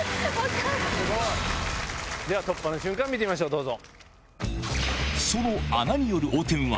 すごい！では突破の瞬間見てみましょうどうぞ。